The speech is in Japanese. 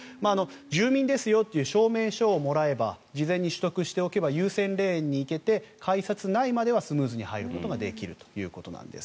住民ですよという証明書をもらえば事前に取得しておけば優先レーンに行けて改札内まではスムーズに入ることができるということなんです。